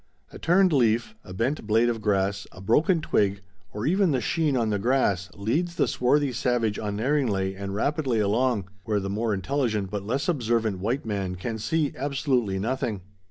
A turned leaf, a bent blade of grass, a broken twig, or even the sheen on the grass, leads the swarthy savage unerringly and rapidly along, where the more intelligent but less observant white man can see absolutely nothing.